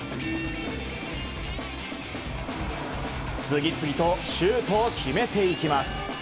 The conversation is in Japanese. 次々とシュートを決めていきます。